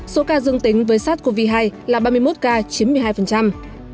số ca dương tính với sát covid hai là ba mươi một ca chiếm một mươi hai